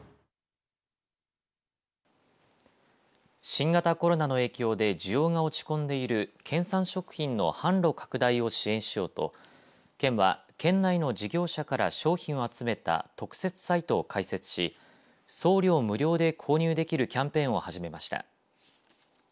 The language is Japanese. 新型コロナの影響で需要が落ち込んでいる県産食品の販路拡大を支援しようと県は県内の事業者から商品を集めた特設サイトを開設し送料無料で購入できるキャンペーンを始めました。